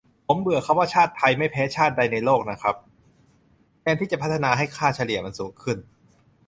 ผมเบื่อคำว่าชาติไทยไม่แพ้ชาติใดในโลกอ่ะครับ แทนที่จะพัฒนาให้ค่าเฉลี่ยมันสูงขึ้น